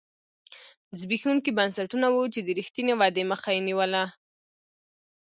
زبېښونکي بنسټونه وو چې د رښتینې ودې مخه یې نیوله.